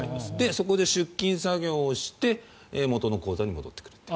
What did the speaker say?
そこで出金作業をして元の口座に戻ってくると。